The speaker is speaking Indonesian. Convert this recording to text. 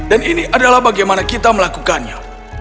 dan ini adalah bagaimana kita melakukannya